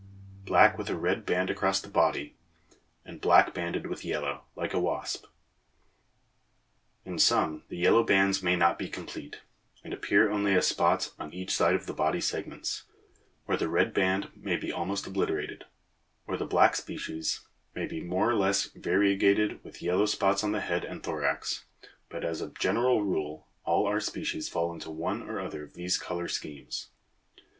17); black with a red band across the body (cf. pl. A, fig. 7); and black banded with yellow, like a wasp (cf. pl. A, figs. 6 and 8, etc.) In some the yellow bands may not be complete, and appear only as spots on each side of the body segments, or the red band may be almost obliterated, or the black species may [Illustration: FIG. 3.] [Illustration: FIG. 4.] be more or less variegated with yellow spots on the head and thorax, but as a general rule all our species fall into one or other of these colour schemes.